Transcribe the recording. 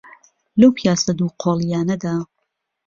لەو پیاسە دووقۆڵییانەدا،